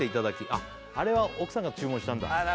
あっあれは奥さんが注文したんだあっ